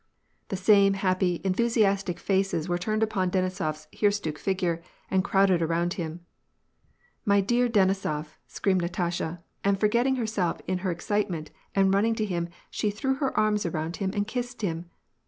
The same happy, enthusiastic faces were turned upon Denisofs hirsute figure, and crowded around him. " My dear * Denisof," screamed Natasha ; and forgetting her self in her excitement and running to him, she threw her arms around him and kissed him.